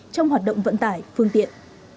trong hoạt động vận tải phương tiện